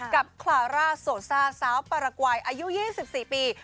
กับคลาร่าโสซาสาวปรากวายอายุยี่สิบสี่ปี